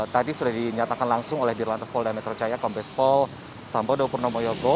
tadi sudah dinyatakan langsung oleh dirilantas pol dametro jaya kombes pol sambodo purnomo yogo